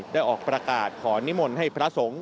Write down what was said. ได้ออกประกาศขอนิมลให้พระทรง